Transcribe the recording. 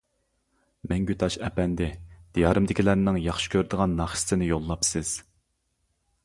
مەڭگۈتاش ئەپەندى دىيارىمدىكىلەرنىڭ ياخشى كۆرىدىغان ناخشىسىنى يوللاپسىز.